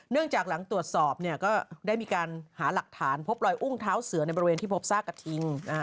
จากหลังตรวจสอบก็ได้มีการหาหลักฐานพบรอยอุ้งเท้าเสือในบริเวณที่พบซากกระทิง